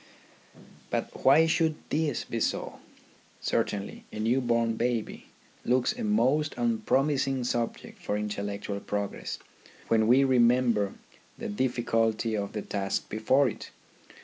But why should this be so ? Certainly, a new born baby looks a most unpromising subject for intellectual progress when we remember the difficulty of the task before it.